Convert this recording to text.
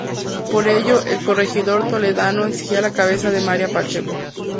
Por ello, el corregidor toledano exigía la cabeza de María Pacheco.